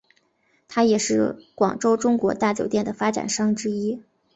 他也是广州中国大酒店的发展商之一。